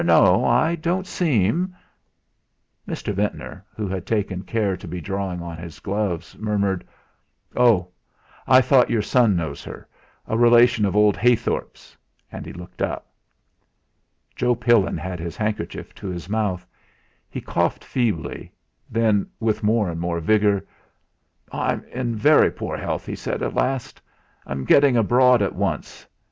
No, I don't seem " Mr. Ventnor, who had taken care to be drawing on his gloves, murmured: "Oh! I thought your son knows her; a relation of old Heythorp's," and he looked up. Joe Pillin had his handkerchief to his mouth; he coughed feebly, then with more and more vigour: "I'm in very poor health," he said, at last. "I'm getting abroad at once.